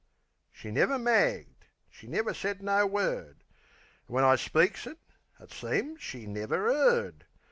She never magged; she never said no word. An' when I speaks, it seems she never 'eard.